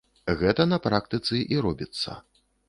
Гэта на практыцы і робіцца.